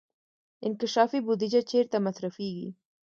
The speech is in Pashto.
انکشافي بودجه چیرته مصرفیږي؟